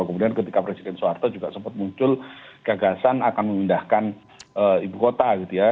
kemudian ketika presiden soeharto juga sempat muncul gagasan akan memindahkan ibu kota gitu ya